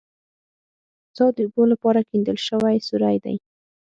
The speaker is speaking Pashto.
څا د اوبو لپاره کیندل شوی سوری دی